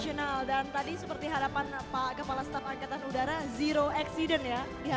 tadi seperti harapan pak kepala staf angkatan udara zero accident ya diharapkan